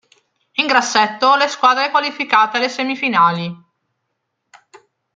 In grassetto le squadre qualificate alle semifinali.